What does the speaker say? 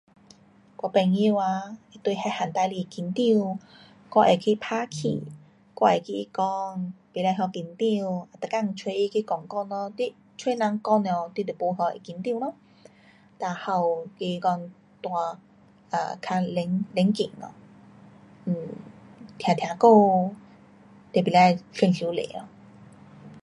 我朋友啊对那样事情紧张，我会去打气，我会跟他讲不可那紧张，每天找他去讲讲咯，你找人讲了，你就不会讲会紧张咯。哒还有跟他讲得较冷，冷静咯，um 听听歌。你不可想太多。